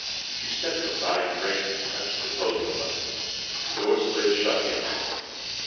She stepped inside, and Drake touched the closing button. The door slid shut behind her.